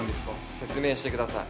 ・説明してください